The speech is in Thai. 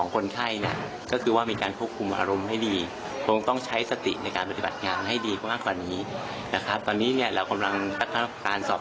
เกิดขึ้นมีสาเหตุจากอะไรได้บ้างครับ